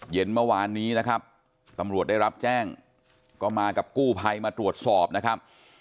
เย็นเมื่อวานนี้นะครับตำรวจได้รับแจ้งก็มากับกู้ภัยมาตรวจสอบนะครับ